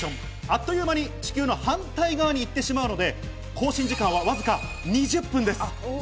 あっという間に地球の反対側に行ってしまうので、交信時間はわずか２０分です。